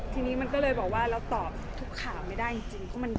ทีนี้มันก็เลยบอกว่าเราตอบทุกข่าวไม่ได้จริง